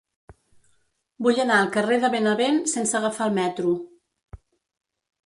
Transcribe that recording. Vull anar al carrer de Benavent sense agafar el metro.